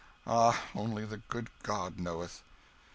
ah, only the good God knoweth."